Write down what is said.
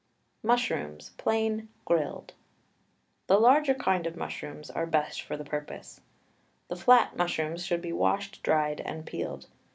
MUSHROOMS, PLAIN, GRILLED. The larger kinds of mushrooms are best for the purpose. The flat mushrooms should be washed, dried, and peeled.